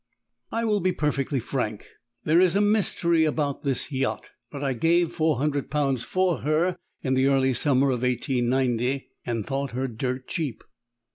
I will be perfectly frank; there is a mystery about the yacht. But I gave 400 pounds for her in the early summer of 1890, and thought her dirt cheap.